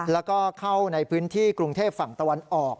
แล้วก็เข้าในพื้นที่กรุงเทพฝั่งตะวันออก